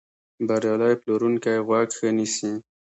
بریالی پلورونکی غوږ ښه نیسي.